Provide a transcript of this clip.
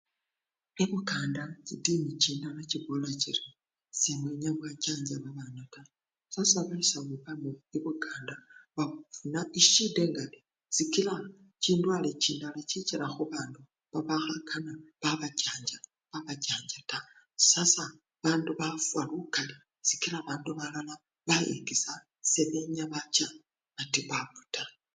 Ebukanda chitini chindala chibola chili semwenya mwachanja omwana taa, sasa basawo ebukanda bafuna esyida engali sikila